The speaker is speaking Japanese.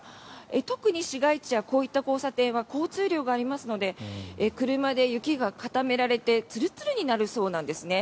特に市街地やこういった交差点は交通量がありますので車で雪が固められてツルツルになるそうなんですね。